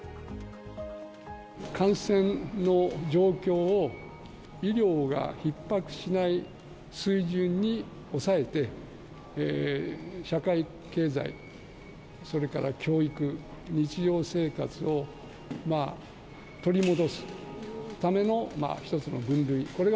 感染の状況を、医療がひっ迫しない水準に抑えて、社会経済、それから教育、日常生活を取り戻すための一つの分類、これが